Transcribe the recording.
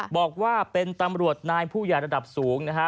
บอกว่าเป็นตำรวจนายผู้ใหญ่ระดับสูงนะฮะ